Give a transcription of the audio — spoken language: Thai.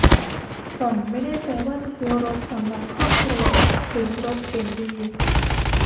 หล่อนไม่แน่ใจว่าจะซื้อรถสำหรับครอบครัวหรือรถเก๋งดี